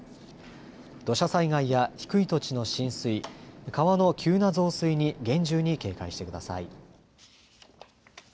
土砂災害や低い土地の浸水、川の急な増水に厳重に警戒してください。